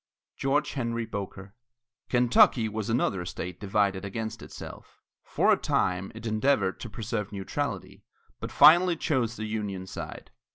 GEORGE HENRY BOKER. Kentucky was another state divided against itself. For a time, it endeavored to preserve neutrality, but finally chose the Union side.